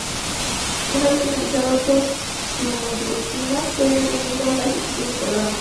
Una vez finalizada dicha subrutina, se reanuda la ejecución del programa.